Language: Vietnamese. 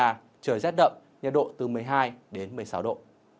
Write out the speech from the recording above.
trời rét đậm nhiệt độ từ một mươi hai đến một mươi sáu độ